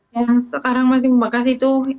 yang sekarang masih membekas itu